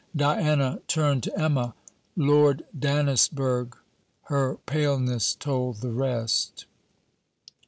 Diana turned to Emma: 'Lord Dannisburgh!' her paleness told the rest.